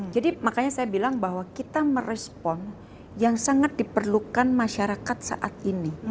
jadi makanya saya bilang bahwa kita merespon yang sangat diperlukan masyarakat saat ini